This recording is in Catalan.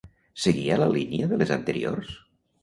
Seguia la línia de les anteriors?